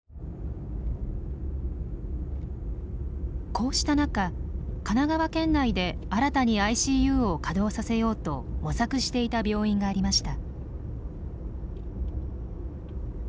こうした中神奈川県内で新たにＩＣＵを稼働させようと模索していた病院がありました。